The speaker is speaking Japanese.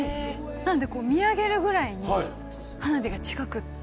なので、見上げるぐらいに花火が近くて。